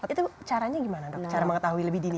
itu caranya gimana dok cara mengetahui lebih dini